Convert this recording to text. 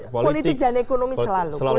politik dan ekonomi selalu